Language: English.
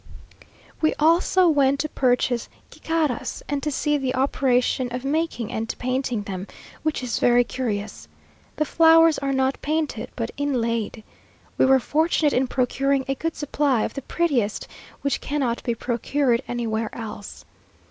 We also went to purchase gicaras, and to see the operation of making and painting them, which is very curious. The flowers are not painted, but inlaid. We were fortunate in procuring a good supply of the prettiest, which cannot be procured anywhere else.